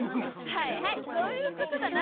はいはいそういうことだな。